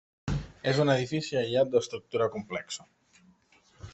És un edifici aïllat d'estructura complexa.